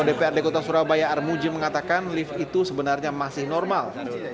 dprd kota surabaya armuji mengatakan lift itu sebenarnya masih normal